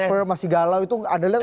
firm masih galau itu